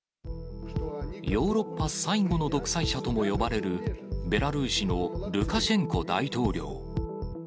ヨーロッパ最後の独裁者とも呼ばれる、ベラルーシのルカシェンコ大統領。